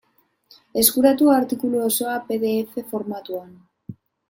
Eskuratu artikulu osoa pe de efe formatuan.